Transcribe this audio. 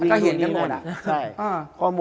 ก็เห็นกันหมดอะ